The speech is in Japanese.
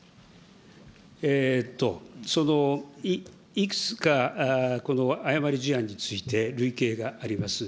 そのいくつかこの誤り事案について、るいけいがあります。